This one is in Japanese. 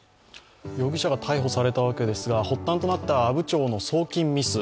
容疑者が逮捕されたわけですが、発端となった阿武町の送金ミス